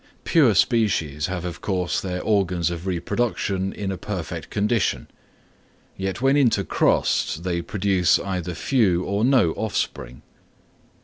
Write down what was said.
Pure species have of course their organs of reproduction in a perfect condition, yet when intercrossed they produce either few or no offspring.